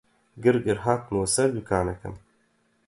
گڕگڕ هاتمەوە سەر دووکانەکەم